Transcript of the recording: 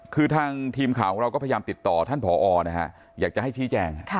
คือทางทีมข่าวของเราก็พยายามติดต่อท่านผอนะฮะอยากจะให้ชี้แจง